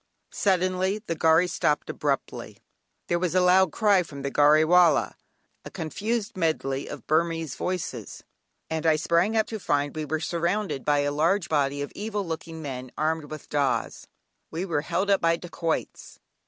Suddenly the gharry stopped abruptly; there was a loud cry from the gharry wallah, a confused medley of Burmese voices, and I sprang up to find we were surrounded by a large body of evil looking men, armed with "dahs." We were "held up" by dacoits!